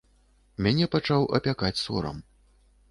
Мяне пачаў апякаць сорам.